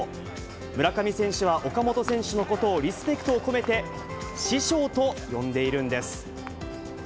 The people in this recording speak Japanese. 村上選手は岡本選手のことをリスペクトを込めて師匠と呼んでいるんです。